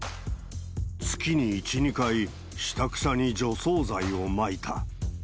月に１、２回、下草に除草剤をまいた。